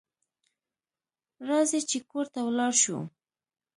راځئ چې کور ته ولاړ شو